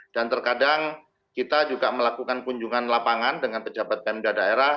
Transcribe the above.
dan terkadang kita juga melakukan kunjungan lapangan dengan pejabat pemda daerah